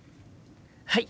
はい！